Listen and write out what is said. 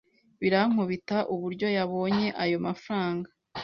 Birankubita uburyo yabonye ayo mafaranga.